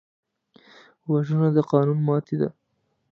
وژنه د قانون ماتې ده